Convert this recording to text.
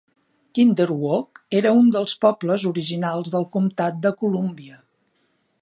Kinderhook era un dels pobles originals del comtat de Columbia.